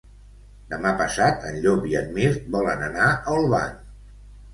Demà passat en Llop i en Mirt volen anar a Olvan.